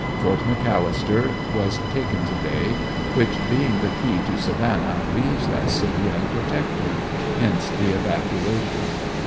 Fort McAllister was taken to day, which being the key to Savannah, leaves that city unprotected, hence the evacuation.